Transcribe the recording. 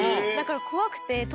だから怖くて。